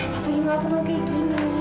kak fadil kenapa kamu kayak gini